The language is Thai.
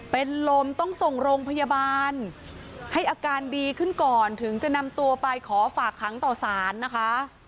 เป็นลมต้องส่งโรงพยาบาลให้อาการดีขึ้นก่อนถึงจะนำตัวไปขอฝากขังต่อสารนะคะ